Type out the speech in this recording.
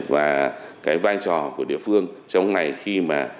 và cái vai trò của địa phương trong này khi mà